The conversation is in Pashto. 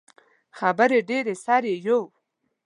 خبرې ډیرې سر ئې یؤ